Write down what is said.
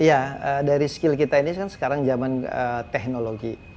ya dari keterampilan kita ini kan sekarang zaman teknologi